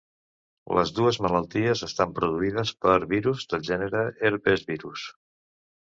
Les dues malalties estan produïdes per virus del gènere Herpesvirus.